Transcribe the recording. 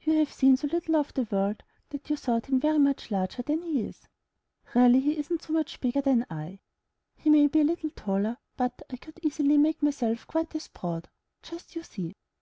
You have seen so little of the world, that you thought him very much larger than he is. Really he isn't so much bigger than L He may be a little bit taller, but I could easily make myself quite as broad. Just you see!"